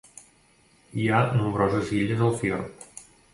Hi ha nombroses illes al fiord.